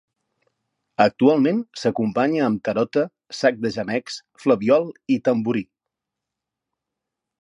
Actualment, s'acompanya amb tarota, sac de gemecs, flabiol i tamborí.